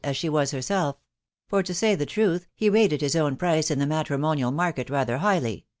as she was herself; for, to say the truth, he rated his own price in the matrimonial market rather Yi\^\n, — V*&.